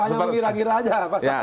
hanya mengira ngira aja